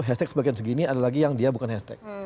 hashtag sebagian segini ada lagi yang dia bukan hashtag